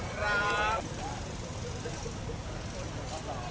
สวัสดีครับ